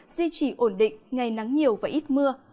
duy trì ổn định ngày nắng nhiều và ít mưa